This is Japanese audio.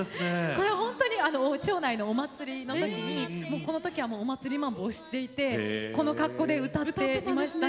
これほんとに町内のお祭りの時にもうこの時は「お祭りマンボ」を知っていてこの格好で歌っていましたね。